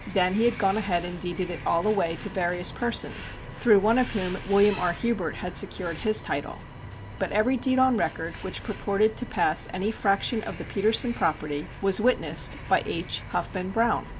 Then he had gone ahead and deeded it all away to various persons, through one of whom William R. Hubert had secured his title. But every deed on record which purported to pass any fraction of the Petersen property was witnessed by H. Huffman Browne!